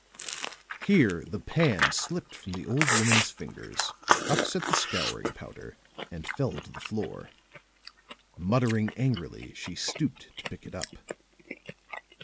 Here the pan slipped from the old woman's fingers, upset the scouring powder and fell to the floor. Muttering angrily she stooped to pick it up.